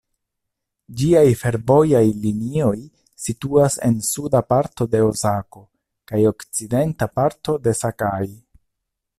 Ĝiaj fervojaj linioj situas en suda parto de Osako kaj okcidenta parto de Sakai.